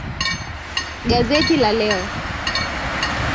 Gazeti la leo.